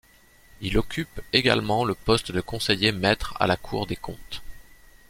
Il occupe également le poste de conseiller maître à la Cour des comptes.